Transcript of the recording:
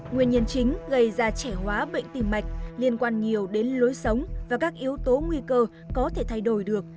nguyên nhân chính gây ra trẻ hóa bệnh tim mạch liên quan nhiều đến lối sống và các yếu tố nguy cơ có thể thay đổi được